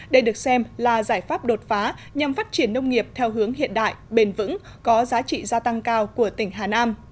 đây được xem là giải pháp đột phá nhằm phát triển nông nghiệp theo hướng hiện đại bền vững có giá trị gia tăng cao của tỉnh hà nam